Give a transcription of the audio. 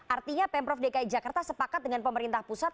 artinya pemprov dki jakarta sepakat dengan pemerintah pusat